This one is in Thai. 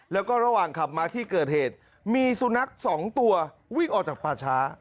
แล้วก็ระหว่างขับมาที่เกิดเหตุมีสุนัขสองตัววิ่งออกจากป่าช้า